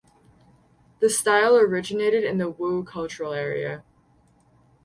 The style originated in the Wu cultural area.